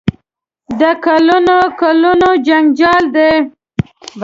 د کلونو کلونو جنجال دی.